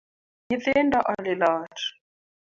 Nythindo olilo ot